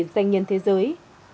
danh nhân thế giới